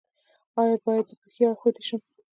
ایا زه باید په ښي اړخ ویده شم؟